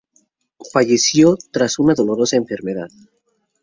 Falleció tras una dolorosa enfermedad.